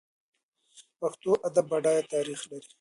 پښتو ادب بډایه تاریخ لري.